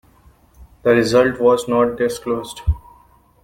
The result was not disclosed.